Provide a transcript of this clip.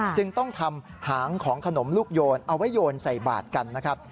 จึงต้องทำหางของขนมลูกโยนเอาไว้โยนใส่บาทกันนะครับ